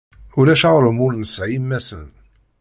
Ulac aɣrum ur nesɛi imassen.